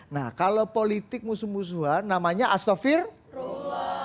nah kalau politik musuh musuhan namanya astaghir